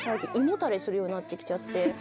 するようになってきちゃって。